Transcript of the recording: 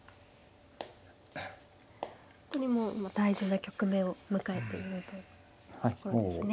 本当にもう大事な局面を迎えているところですね。